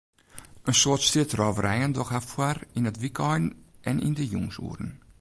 In soad strjitrôverijen dogge har foar yn it wykein en yn de jûnsoeren.